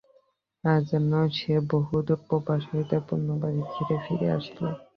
আজ যেন সে বহুদূর প্রবাস হইতে পুনর্বার ঘরে ফিরিয়া আসিল।